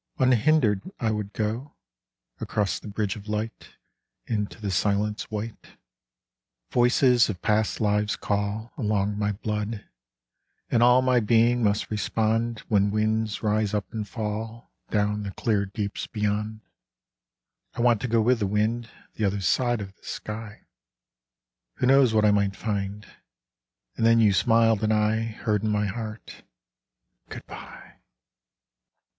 Unhindered I would go Across the bridge of light Into the silence white. 85 Adventure Voices of past lives call Along my blood, and all My being must respond When winds rise up and fall Down the clear deeps beyond. I want to go with the wind The other side of the sky : Who knows what I might find? And then you smiled and I Heard in my heart Goodbye.